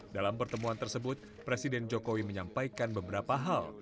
dalam pertemuan tersebut presiden jokowi menyampaikan beberapa hal